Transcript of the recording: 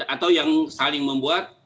atau yang saling membuat